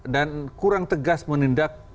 dan kurang tegas menindak